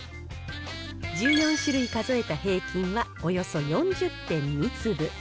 １４種類数えた平均はおよそ４０．２粒。